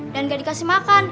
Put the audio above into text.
dan gak dikasih makan